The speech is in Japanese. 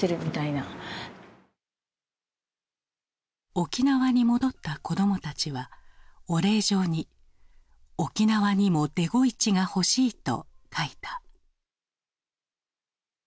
沖縄に戻った子どもたちはお礼状に「沖縄にもデゴイチが欲しい」と書いた。